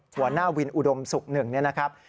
หัวหน้าวินอุดมศุกร์๑เนี่ยนะครับ